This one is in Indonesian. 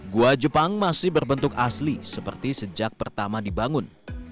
gua jepang masih berbentuk asli seperti sejak pertama dibangun